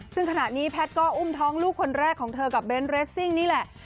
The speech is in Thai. ซึ่งขณะนี้แพทย์ก็อุ้มท้องลูกคนแรกของเธอกับเบนทเรสซิ่งนี่แหละ